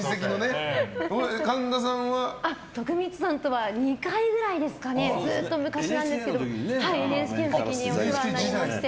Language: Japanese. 徳光さんとは２回ぐらいですかねずっと昔なんですけどＮＨＫの時にお世話になりまして。